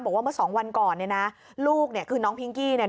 บอกว่าเมื่อสองวันก่อนเนี่ยนะลูกเนี่ยคือน้องพิงกี้เนี่ย